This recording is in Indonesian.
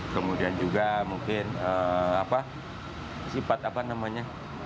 kemudian juga mungkin sifat apa namanya